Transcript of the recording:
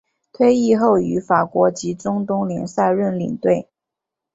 退役后于法国及中东联赛任领队。